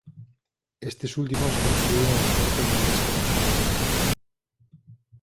Estes últimos construíron un forte no oeste da cidade vella.